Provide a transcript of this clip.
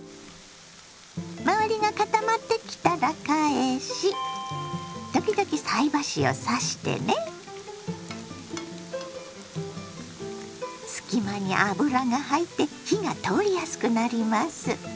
周りが固まってきたら返し時々隙間に油が入って火が通りやすくなります。